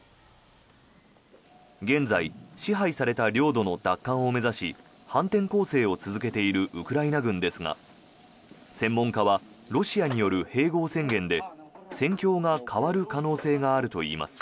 現在、支配された領土の奪還を目指し反転攻勢を続けているウクライナ軍ですが専門家はロシアによる併合宣言で戦況が変わる可能性があるといいます。